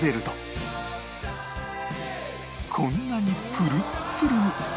こんなにプルップルに！